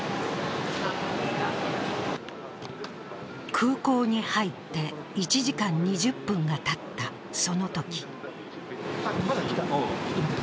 空港に入って１時間２０分がたったその時。